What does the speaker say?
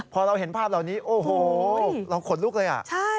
พอเราเห็นภาพเหล่านี้โอ้โหเราขนลุกเลยอ่ะใช่